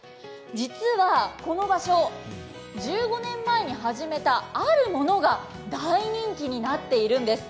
実はこの場所、１５年前に始めたあるものが大人気になっているんです。